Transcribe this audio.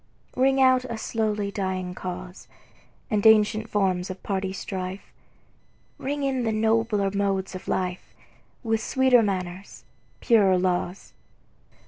Ring out a slowly dying cause, And ancient forms of party strife; Ring in the nobler modes of life, With sweeter manners, purer laws.